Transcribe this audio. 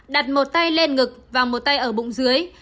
đặt một tay lên ngực và một tay ở bụng dưới